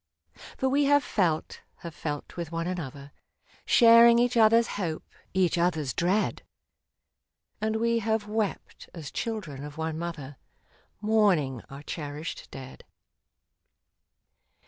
" For we have felt — have felt with one another, Sharing each other's hope, each other's dread ; And we have wept, as children of one mother, Mourning our cherished dead.